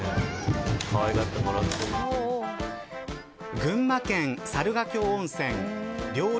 群馬県猿ヶ京温泉料理